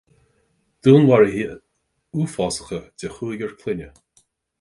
Dúnmharuithe uafásacha de chúigear clainne